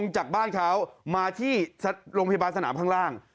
จากบ้านเขามาที่โรงพยาบาลสนามข้างล่าง